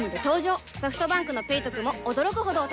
ソフトバンクの「ペイトク」も驚くほどおトク